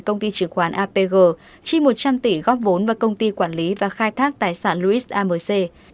công ty chứng khoán apg chi một trăm linh tỷ góp vốn vào công ty quản lý và khai thác tài sản luis amc